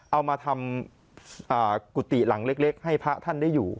เอามาทำกุฏิหลังเล็กให้พระท่านได้อยู่